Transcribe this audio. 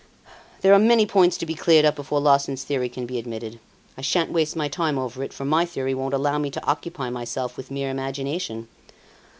"There are many points to be cleared up before Larsan's theory can be admitted. I sha'n't waste my time over it, for my theory won't allow me to occupy myself with mere imagination.